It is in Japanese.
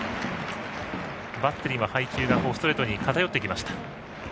バッテリーの配球はストレートに偏ってきました。